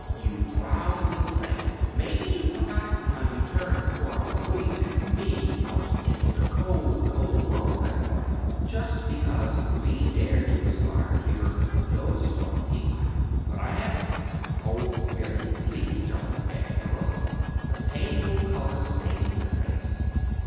"You proud little thing! Maybe you've forgotten how you turned poor Uncle William and me out into the cold, cold world that morning, just because we dared to aspire to your Lowestoft teapot; but I haven't!" "Oh, Billy, please, don't," begged Alice, the painful color staining her face.